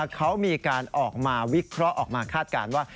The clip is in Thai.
เขามีการออกมาวิเคราะห์ออกมาคาดการณ์ว่า